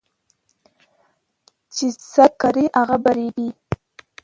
چې څه کرې هغه به ريبې